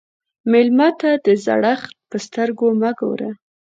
مېلمه ته د زړښت په سترګه مه ګوره.